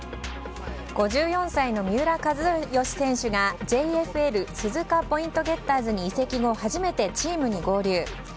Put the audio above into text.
５４歳の三浦知良選手がＪＦＬ鈴鹿ポイントゲッターズに移籍後初めてチームに合流。